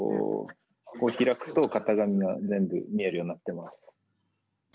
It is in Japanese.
こう開くと型紙が全部見えるようになってます。